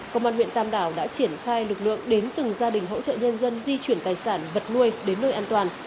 công an huyện tam đảo đã triển khai lực lượng đến từng gia đình hỗ trợ nhân dân di chuyển tài sản vật nuôi đến nơi an toàn